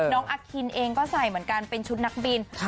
น้องอคินเองก็ใส่เหมือนกันเป็นชุดนักบิน